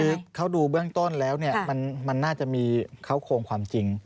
คือเขาดูเบื้องต้นแล้วเนี่ยมันน่าจะมีเขาโครงความจริง